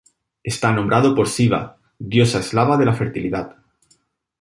Está nombrado por Siva, diosa eslava de la fertilidad.